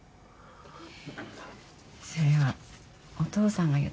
それはお父さんが言ったんじゃない？